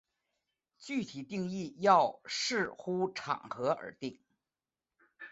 具体定义要视乎场合而定。